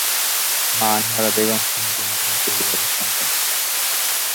মা আনোয়ারা বেগম ছিলেন জমিদার পরিবারের সন্তান।